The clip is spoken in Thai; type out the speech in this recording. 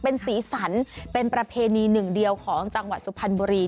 เป็นสีสันเป็นประเพณีหนึ่งเดียวของจังหวัดสุพรรณบุรี